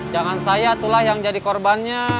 jangan saya itulah yang jadi korbannya